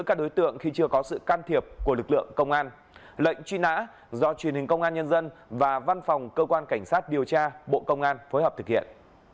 các đối tượng khi chưa có sự can thiệp của lực lượng công an lệnh truy nã do truyền hình công an nhân dân và văn phòng cơ quan cảnh sát điều tra bộ công an phối hợp thực hiện